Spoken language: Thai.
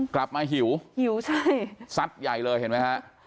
กลับมาหิวหิวใช่ซัดใหญ่เลยเห็นไหมครับ